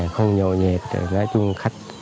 không nhậu nhẹt